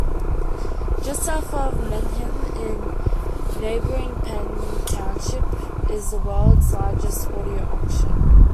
Just south of Manheim in neighboring Penn Township is the World's Largest Auto Auction.